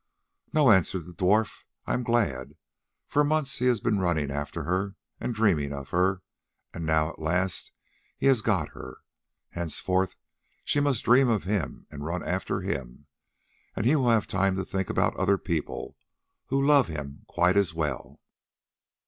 "No," answered the dwarf, "I am glad. For months he has been running after her and dreaming of her, and now at last he has got her. Henceforth she must dream of him and run after him, and he will have time to think about other people, who love him quite as well."